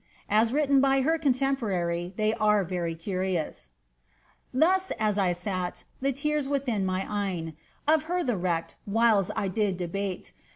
As written by her contemporary they are very curious :— ^Thus as I sat (tbe tears witliin my eyen) Of her the wreck, whiles I did debate.